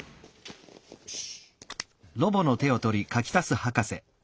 よし。